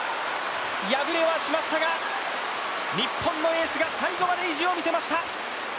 敗れはしましたが、日本のエースが最後まで意地を見せました。